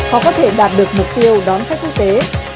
họ có thể đạt được mục tiêu đón khách quốc tế